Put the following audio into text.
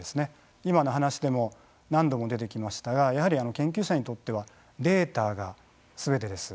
今の話でも何度も出てきましたがやはり研究者にとってはデータがすべてです。